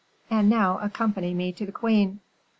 And now accompany me to the queen."